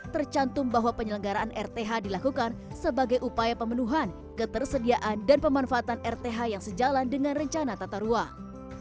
tercantum bahwa penyelenggaraan rth dilakukan sebagai upaya pemenuhan ketersediaan dan pemanfaatan rth yang sejalan dengan rencana tata ruang